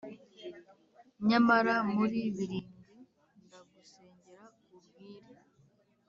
nyamara muri barindwi! ndagusengera ubwire,